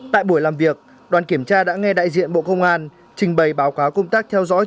tại buổi làm việc đoàn kiểm tra đã nghe đại diện bộ công an trình bày báo cáo công tác theo dõi